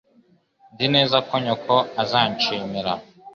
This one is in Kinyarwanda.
Nzi neza ko nyoko azanshimira.